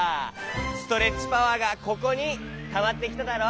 ストレッチパワーがここにたまってきただろ？